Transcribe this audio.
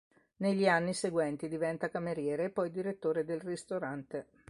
Negli anni seguenti diventa cameriere e poi direttore del ristorante.